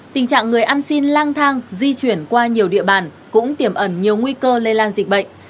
tình trạng người ăn xin lang thang di chuyển qua nhiều địa bàn cũng tiềm ẩn nhiều nguy cơ lây lan dịch bệnh